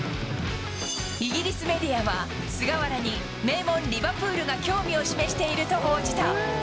イギリスメディアは菅原に、名門リバプールが興味を示していると報じた。